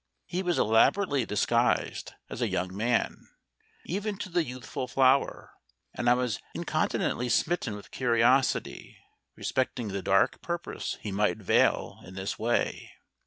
He was elaborately disguised as a young man, even to the youthful flower, and I was incontinently smitten with curiosity respecting the dark purpose he might veil in this way.